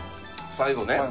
最後ね。